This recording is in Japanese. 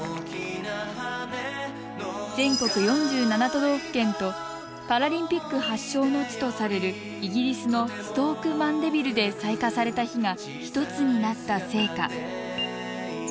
全国４７都道府県とパラリンピック発祥の地とされるイギリスのストーク・マンデビルで採火された火が１つになった聖火。